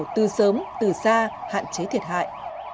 từ sớm từ xa hạn chế thiệt hại